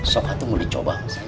sokatu mau dicoba ustadz